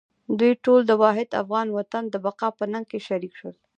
دوی ټول د واحد افغان وطن د بقا په ننګ کې شریک شول.